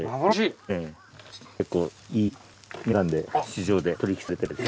結構いい値段で市場で取り引きされてるみたい。